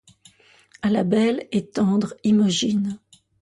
À la belle et tendre Imogine.